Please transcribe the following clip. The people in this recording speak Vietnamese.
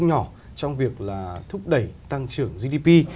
và có phần không nhỏ trong việc là thúc đẩy tăng trưởng gdp